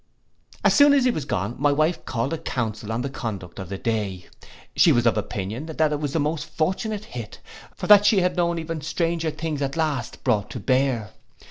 As soon as he was gone, my wife called a council on the conduct of the day. She was of opinion, that it was a most fortunate hit; for that she had known even stranger things at last brought to bear.